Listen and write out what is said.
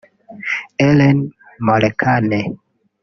Ellen Molekane